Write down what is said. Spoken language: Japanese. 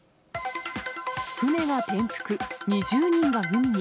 船が転覆、２０人が海に。